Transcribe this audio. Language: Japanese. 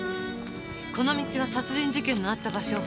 この道は殺人事件のあった場所。